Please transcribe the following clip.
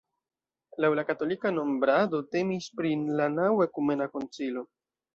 Laŭ la katolika nombrado temis pri la naŭa ekumena koncilio.